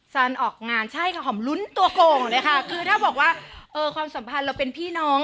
ออกงานใช่ค่ะหอมลุ้นตัวโก่งเลยค่ะคือถ้าบอกว่าเออความสัมพันธ์เราเป็นพี่น้อง